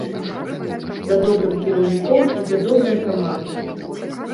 За добрым кіраўніком ідзе добрая каманда!